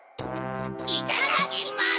いただきます！